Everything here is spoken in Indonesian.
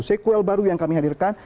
sequel baru yang kami hadirkan